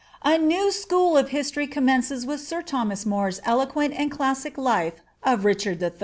A new school of history commences with sir Thomas More's eloquent and classical life of Richard III.